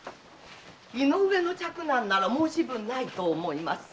井上の嫡男なら申し分ないと思います。